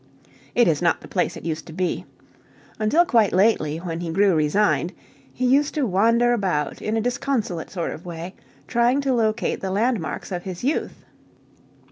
It is not the place it used to be. Until quite lately, when he grew resigned, he used to wander about in a disconsolate sort of way, trying to locate the landmarks of his youth.